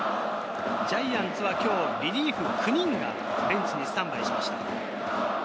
ジャイアンツは今日、リリーフ９人がベンチにスタンバイしました。